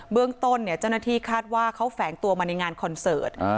เรื่องต้นเจ้าหน้าที่คาดว่าเขาแฝงตัวมาในงานคอนเสิร์ต